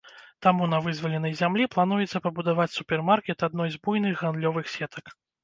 Таму на вызваленай зямлі плануецца пабудаваць супермаркет адной з буйных гандлёвых сетак.